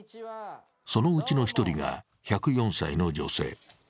そのうちの１人が１０４歳の女性。